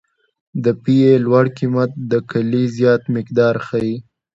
د پی ای لوړ قیمت د کلې زیات مقدار ښیي